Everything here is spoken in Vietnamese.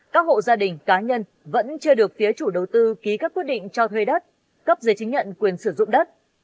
các hộ gia đình cá nhân vẫn chưa được phía chủ đầu tư ký các quyết định cho thuê đất cấp giấy chứng nhận quyền sử dụng đất